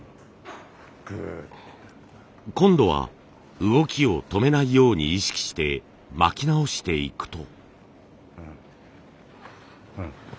今度は動きを止めないように意識して巻き直していくと。